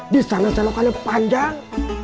di sana selokannya panjang